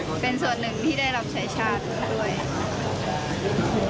อยากเป็นตัวแทนประเทศไทยอีกเพราะว่าอยากทำให้ตัวเองเป็นส่วนหนึ่งที่ได้รับใช้ชาติด้วย